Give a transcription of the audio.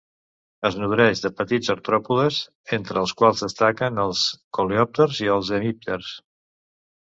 Es nodreix de petits artròpodes, entre els quals destaquen els coleòpters i els hemípters.